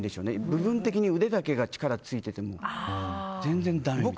部分的に腕だけ力ついてても全然だめで。